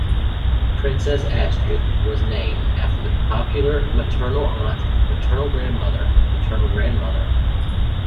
Princess Astrid was named after the popular maternal aunt, paternal grandmother, maternal grandmother.